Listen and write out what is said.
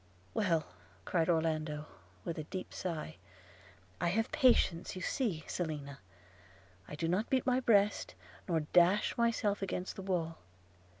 'Well,' cried Orlando, with a deep sigh, 'I have patience, you see, Selina – I do not beat my breast, nor dash myself against the wall.